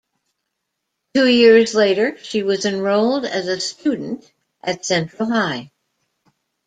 Two years later, she was enrolled as a student at Central High.